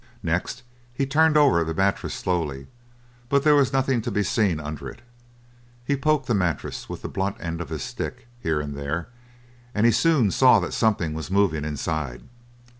Next he turned over the mattress slowly, but there was nothing to be seen under it. He poked the mattress with the blunt end of his stick here and there, and he soon saw that something was moving inside.